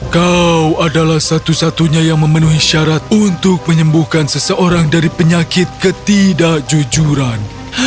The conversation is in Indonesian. kau adalah satu satunya yang memenuhi syarat untuk menyembuhkan seseorang dari penyakit ketidakjujuran